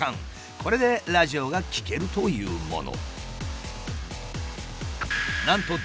これでラジオが聴けるというもの。